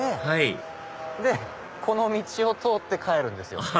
はいこの道を通って帰るんですよ。